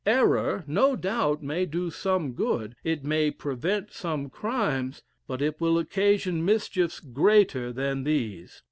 Error, no doubt, may do some good; it may prevent some crimes, but it will occasion mischiefs greater than these.